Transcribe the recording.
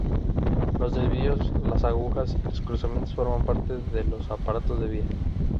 Los desvíos, las agujas y los cruzamientos forman parte de los aparatos de vía.